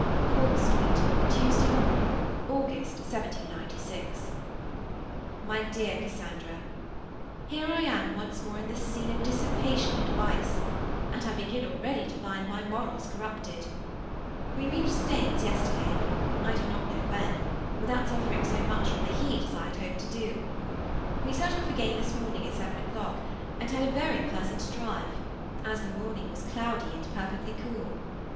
CORK STREET, Tuesday morn (August, 1796). MY DEAR CASSANDRA, Here I am once more in this scene of dissipation and vice, and I begin already to find my morals corrupted. We reached Staines yesterday, I do not (know) when, without suffering so much from the heat as I had hoped to do. We set off again this morning at seven o'clock, and had a very pleasant drive, as the morning was cloudy and perfectly cool.